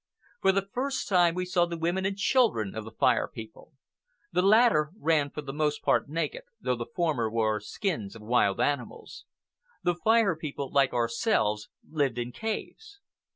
For the first time we saw the women and children of the Fire People. The latter ran for the most part naked, though the former wore skins of wild animals. The Fire People, like ourselves, lived in caves.